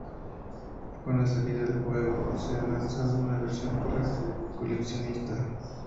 Con la salida del juego, se ha lanzado una versión para coleccionista.